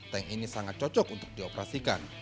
tank ini sangat cocok untuk dioperasikan